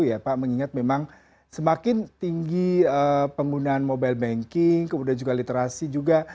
ya pak mengingat memang semakin tinggi penggunaan mobile banking kemudian juga literasi juga